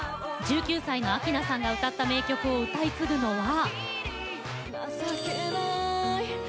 １９歳の明菜さんが歌った名曲を歌い継ぐのは。